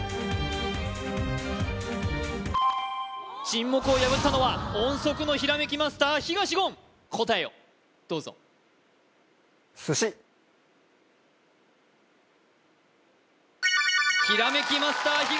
沈黙を破ったのは音速のひらめきマスター東言答えをどうぞひらめきマスター東